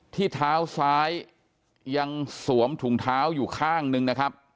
ที่เท้าซ้ายยังสวมถุงเท้าอยู่ข้างหนึ่งนะครับ